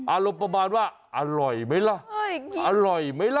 อารมณ์ประมาณว่าอร่อยไหมล่ะอร่อยไหมล่ะ